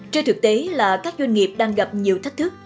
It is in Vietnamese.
trên thực tế là các doanh nghiệp đang gặp nhiều thách thức